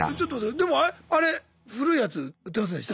でもあれ古いやつ売ってませんでした？